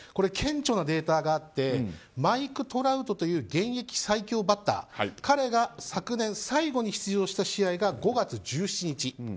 顕著なデータがあってマイク・トラウトという現役最強バッター彼が昨年最後に出場した試合が５月１７日。